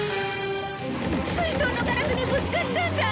水槽のガラスにぶつかったんだ！